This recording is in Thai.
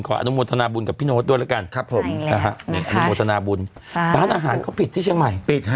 ขออนุโมทนะบุญกับพี่โนธด้วยละกันบ้านอาหารก็ปิดที่เชียงใหม่